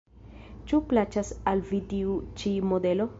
Ĉu plaĉas al vi tiu ĉi modelo?